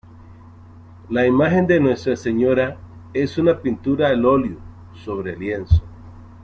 La Imagen de Nuestra Señora es una pintura al óleo sobre lienzo.